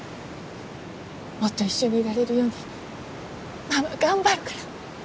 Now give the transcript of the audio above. もっと一緒にいられるようにママ頑張るから。